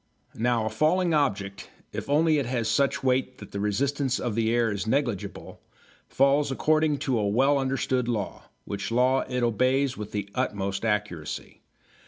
Now a falling object, if only it has such weight that the resistance of the air is negligible, falls according to a well understood law, which law it obeys with the utmost accuracy.